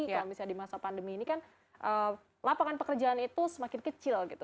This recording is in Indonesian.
kalau misalnya di masa pandemi ini kan lapangan pekerjaan itu semakin kecil gitu